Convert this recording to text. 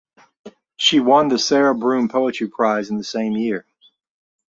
She won the Sarah Broom Poetry Prize in the same year.